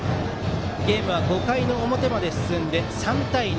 ゲームは５回の表まで進んで３対２。